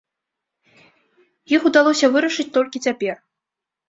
Іх удалося вырашыць толькі цяпер.